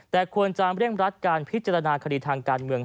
แต่ควรจะเร่งรัดการพิจารณาคดีทางการเมือง